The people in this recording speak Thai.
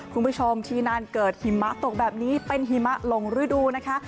คุณผู้ชมที่นานเกิดหิมะตกแบบนี้เป็นหิมะหลงฤดูนะคะ